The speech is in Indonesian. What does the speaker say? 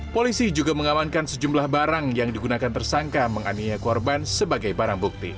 polisi juga mengamankan sejumlah barang yang digunakan tersangka menganiaya korban sebagai barang bukti